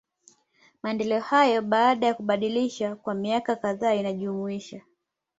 Maendeleo hayo, baada ya kubadilishwa kwa miaka kadhaa inajumuisha.